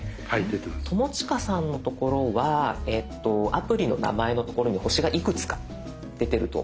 友近さんのところはアプリの名前のところに星がいくつか出てると思うんです。